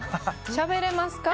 しゃべれますか？